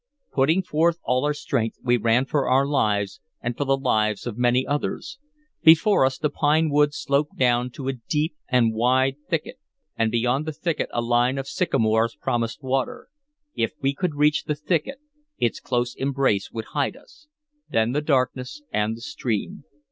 Putting forth all our strength, we ran for our lives, and for the lives of many others. Before us the pine wood sloped down to a deep and wide thicket, and beyond the thicket a line of sycamores promised water. If we could reach the thicket, its close embrace would hide us, then the darkness and the stream.